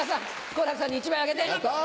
好楽さんに１枚あげて。